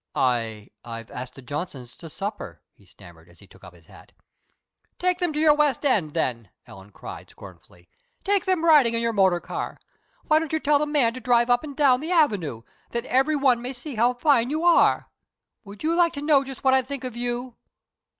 "I I've asked the Johnsons to supper," he stammered, as he took up his hat. "Take them to your west end, then!" Ellen cried, scornfully. "Take them riding in your motor car. Why don't you tell the man to drive up and down the avenue, that every one may see how fine you are! Would you like to know just what I think of you?"